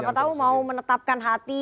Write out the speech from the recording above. siapa tahu mau menetapkan hati